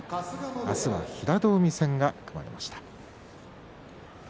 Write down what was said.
明日は平戸海戦が組まれました。